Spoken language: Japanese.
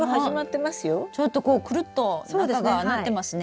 ちょっとこうくるっと中がなってますね。